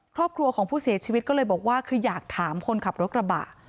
ครอบครัวของผู้เสียชีวิตก็เลยบอกว่าคืออยากถามคนขับรถกระบะ